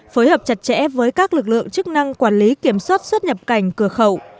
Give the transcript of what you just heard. phối hợp chặt chẽ với các lực lượng chức năng quản lý kiểm soát xuất nhập cảnh cửa khẩu